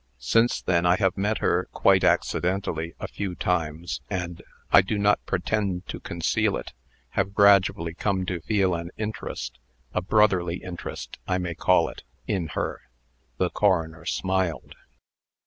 "Since then, I have met her, quite accidentally, a few times, and I do not pretend to conceal it have gradually come to feel an interest a brotherly interest, I may call it in her." (The coroner smiled.)